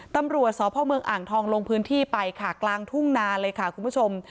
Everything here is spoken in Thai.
ตำรวจสพเมืองอ่างทองลงพื้นที่ไปค่ะกลางทุ่งนาเลยค่ะคุณผู้ชม